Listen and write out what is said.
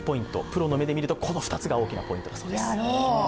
プロの目で見るとこの２つが大きなポイントだそうです。